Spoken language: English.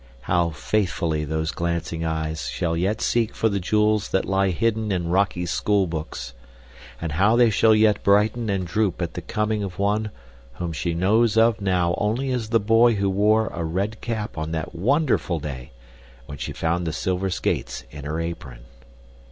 How faithfully those glancing eyes shall yet seek for the jewels that lie hidden in rocky schoolbooks! And how they shall yet brighten and droop at the coming of one whom she knows of now only as the boy who wore a red cap on that wonderful day when she found the silver skates in her apron!